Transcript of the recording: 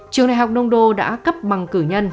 trường đại học đông đô đã cấp bằng cử nhân